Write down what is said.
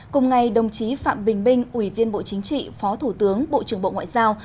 cùng ngày đồng chí phạm bình minh ủy viên bộ chính trị phó thủ tướng bộ trưởng bộ ngoại giao